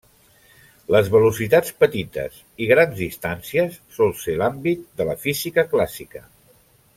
Les velocitats petites i grans distàncies sol ser l'àmbit de la física clàssica.